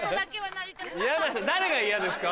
誰が嫌ですか？